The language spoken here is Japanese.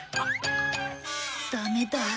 ダメだ。